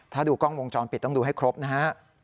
ถ้าดูกล้องวงจรปิดต้องดูให้ครบนะฮะ